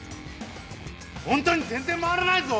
ホントに全然回らないぞ。